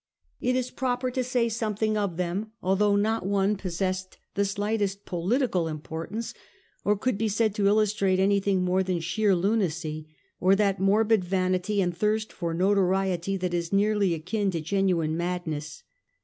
It is proper to say something of them, although not one possessed the slightest political importance, or could be said to illustrate anything more than sheer lunacy, or that morbid vanity and thirst for notoriety that is nearly akin to genuine madness.